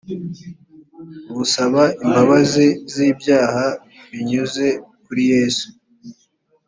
gusaba imbabazi z’ibyaha binyuze kuri yesu